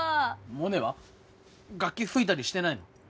モネは楽器吹いたりしてないの？